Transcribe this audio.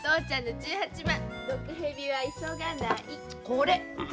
これ！